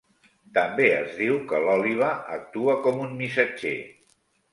També es diu que l'òliba actua com un missatger.